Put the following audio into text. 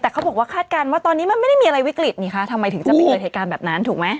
แต่เขาบอกว่าคาดการณ์ว่าตอนนี้มันไม่ได้มีอะไรวิกฤตนี่คะทำไมถึงจะไปเกิดเหตุการณ์แบบนั้นถูกไหม